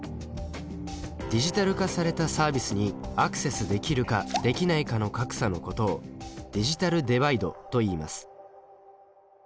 ディジタル化されたサービスにアクセスできるかできないかの格差のことをディジタルデバイドといいます。